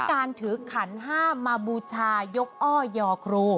ด้วยการถือขันห้ามาบูชายก้อเยาครู